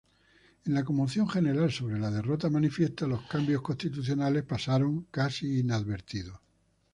En la conmoción general sobre la derrota manifiesta, los cambios constitucionales pasaron casi inadvertidos.